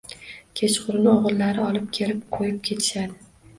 Kechqurun o‘g‘illar olib kelib qo‘yib ketishadi